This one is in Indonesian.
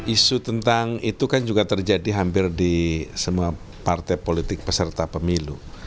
isu tentang itu kan juga terjadi hampir di semua partai politik peserta pemilu